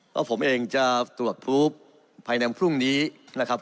ก็ผมเองจะตรวจพบภายในพรุ่งนี้นะครับ